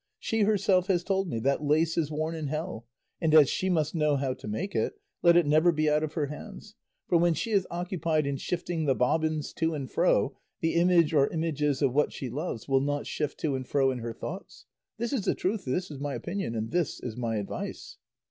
She herself has told me that lace is worn in hell; and as she must know how to make it, let it never be out of her hands; for when she is occupied in shifting the bobbins to and fro, the image or images of what she loves will not shift to and fro in her thoughts; this is the truth, this is my opinion, and this is my advice."